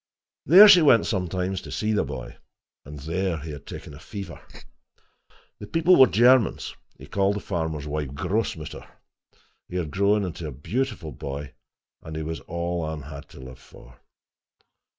There she went sometimes to see the boy, and there he had taken fever. The people were Germans, and he called the farmer's wife Grossmutter. He had grown into a beautiful boy, and he was all Anne had to live for.